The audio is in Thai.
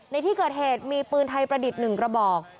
ในที่เกิดเหตุมีปืนไทยประดิษฐ์๑กระบอก